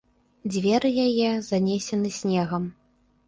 Дзверы яе занесены снегам.